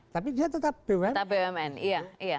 tapi dia tetap bumn tetap bumn iya iya